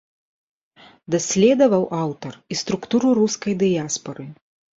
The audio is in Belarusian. Даследаваў аўтар і структуру рускай дыяспары.